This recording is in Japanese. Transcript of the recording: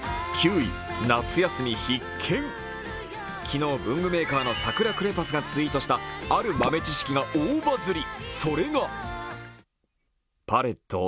昨日、文具メーカーのサクラクレパスがツイートしたある豆知識が大バズり。